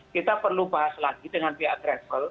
kita perlu bahas lagi dengan pihak travel